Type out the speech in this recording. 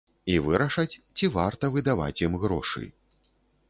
І вырашаць, ці варта выдаваць ім грошы.